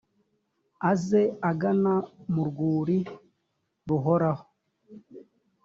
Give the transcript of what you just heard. aze agana mu rwuri ruhoraho